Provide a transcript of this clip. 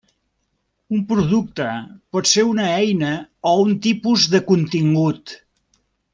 Un producte pot ser una eina o un tipus de contingut.